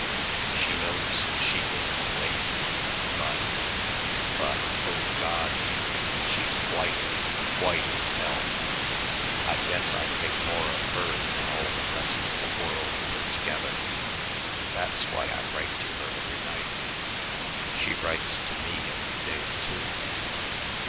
She knows she isn't a lady but but, oh, God, Hugh, she's white, white as hell. I guess I think more of her than all the rest of the world put together. That's why I write to her every night. She writes to me every day, too.